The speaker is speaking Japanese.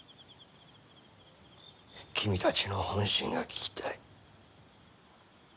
君たちの本心が聞きたい。